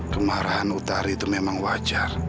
kemarahan utara itu memang wajar